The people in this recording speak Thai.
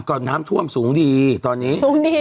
กอดน้ำท่วมสูงดีตอนนี้